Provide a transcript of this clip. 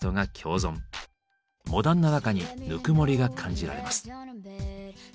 モダンな中にぬくもりが感じられます。